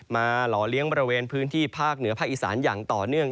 หล่อเลี้ยงบริเวณพื้นที่ภาคเหนือภาคอีสานอย่างต่อเนื่อง